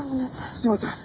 すいません！